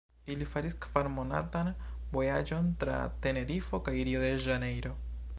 Ili faris kvar-monatan vojaĝon tra Tenerifo kaj Rio-de-Ĵanejro.